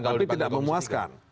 tapi tidak memuaskan